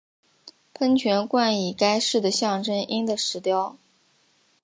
喷泉冠以该市的象征鹰的石雕。